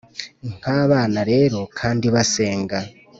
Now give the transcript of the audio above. nkabana rero kandi basenga,